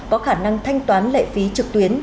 có khả năng thanh toán lệ phí trực tuyến